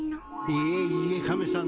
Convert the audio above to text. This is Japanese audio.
いえいえカメさん